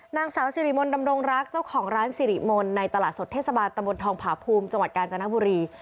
นางสาวสิริมนต์ดำรงรักเจ้าของร้านสิริมนต์ในตลาดสดเทศบาลตะบนทองผาภูมิจังหวัดกาญจนบุรี